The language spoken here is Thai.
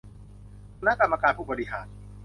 คณะกรรมการผู้บริหาร